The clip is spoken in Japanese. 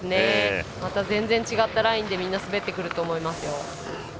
また全然違ったラインで滑ってくると思いますよ。